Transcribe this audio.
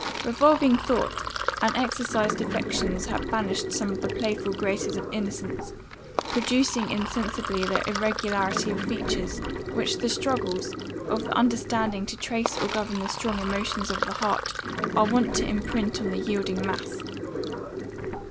Revolving thought, and exercised affections had banished some of the playful graces of innocence, producing insensibly that irregularity of features which the struggles of the understanding to trace or govern the strong emotions of the heart, are wont to imprint on the yielding mass.